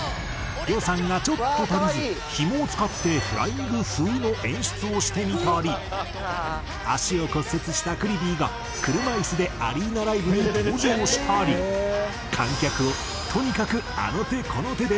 予算がちょっと足りずひもを使ってフライング風の演出をしてみたり足を骨折したＣＬＩＥＶＹが車いすでアリーナライブに登場したり観客をとにかくあの手この手で楽しませる。